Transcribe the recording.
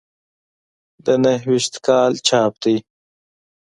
د نهه ویشت کال چاپ دی.